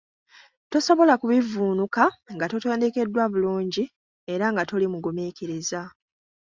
Tosobola kubivvuunuka nga totendekeddwa bulungi era nga toli mugumiikiriza!